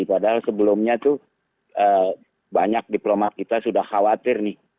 padahal sebelumnya tuh banyak diplomat kita sudah khawatir nih